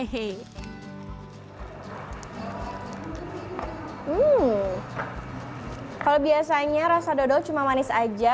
hmm kalau biasanya rasa dodol cuma manis aja